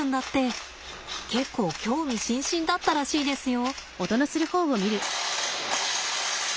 結構興味津々だったらしいですよ。